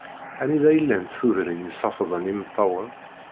Anida i llant tudrin i ṣeffḍen yimeṭṭawen.